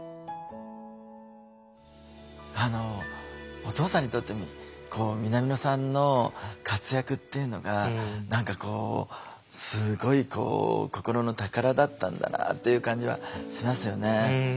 お父さんにとって南野さんの活躍っていうのが何かこうすごい心の宝だったんだなっていう感じはしますよね。